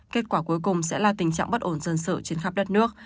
kết quả cuối cùng sẽ là tình trạng bất ổn dân sự trên khắp đất nước